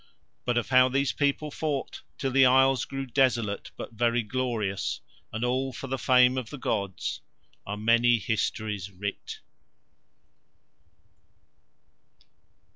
But of how these people fought till the isles grew desolate but very glorious, and all for the fame of the gods, are many histories writ.